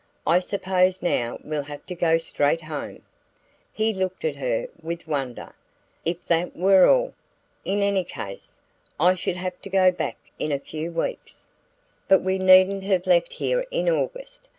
I suppose now we'll have to go straight home." He looked at her with wonder. "If that were all! In any case I should have to be back in a few weeks." "But we needn't have left here in August!